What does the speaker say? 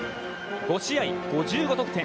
５試合５５得点。